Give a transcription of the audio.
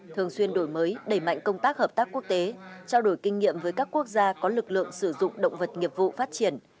thường xuyên đổi mới đẩy mạnh công tác hợp tác quốc tế trao đổi kinh nghiệm với các quốc gia có lực lượng sử dụng động vật nghiệp vụ phát triển